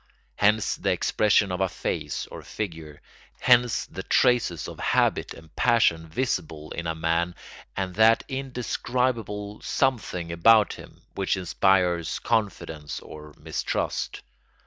Hence the expression of a face or figure; hence the traces of habit and passion visible in a man and that indescribable something about him which inspires confidence or mistrust.